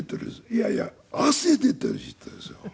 「いやいや汗出ている」って言ったんですよ。